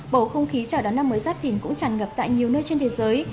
bầu không khí chào đón năm mới giáp thìn cũng tràn ngập tại nhiều nơi trên thế giới